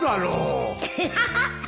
ハハハハ